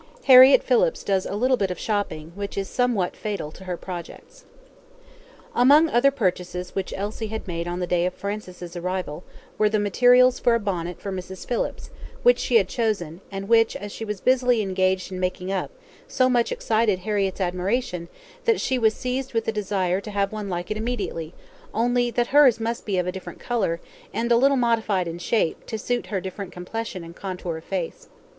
Harriett Phillips Does A Little Bit Of Shopping, Which Is Somewhat Fatal To Her Projects Among other purchases which Elsie had made on the day of Francis' arrival, were the materials for a bonnet for Mrs. Phillips, which she had chosen, and which, as she was busily engaged in making up, so much excited Harriett's admiration, that she was seized with a desire to have one like it immediately, only that hers must be of a different colour, and a little modified in shape, to suit her different complexion and contour of face.